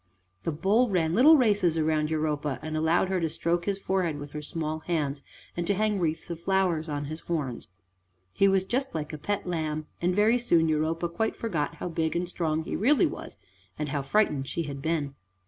The bull ran little races round Europa and allowed her to stroke his forehead with her small hands, and to hang wreaths of flowers on his horns. He was just like a pet lamb, and very soon Europa quite forgot how big and strong he really was and how frightened she had been.